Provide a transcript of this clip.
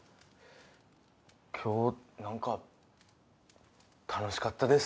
今日何か楽しかったです